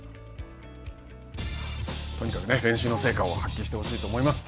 とにかく練習の成果を発揮してほしいと思います。